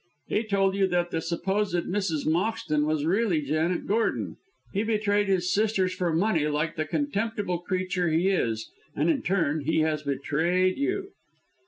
"He told you that the supposed Mrs. Moxton was really Janet Gordon. He betrayed his sisters for money like the contemptible creature he is, and in turn he has betrayed you."